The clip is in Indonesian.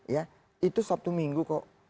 ya itu sabtu minggu kok